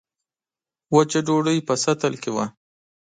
وچه ډوډۍ په سطل کې وه.